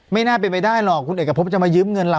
ไม่น่าเป็นไปได้หรอกคุณเอกพบจะมายืมเงินเรา